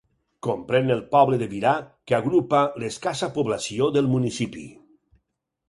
Comprèn el poble de Virà, que agrupa l'escassa població del municipi.